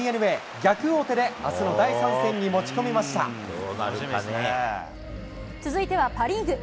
逆王手であすの第３戦に持ち込み続いてはパ・リーグ。